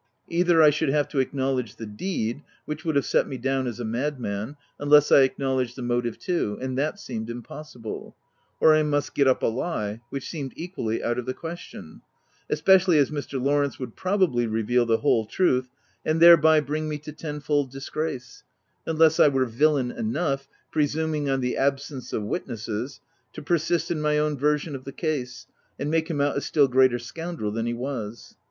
Either I should have to acknowledge the deed, which would set me down as a madman, unless I acknowledged the motive too — and that seemed impossible, — or I must get up a lie, which seemed equally out of the question — especially as Mr. Lawrence would probably reveal the whole truth, and thereby bring me to tenfold disgrace, — unless I were villain enough, pre suming on the absence of witnesses, to persist OF WILDFELL HALL. 245 in my own version of the case, and make him out a still greater scoundrel than he was.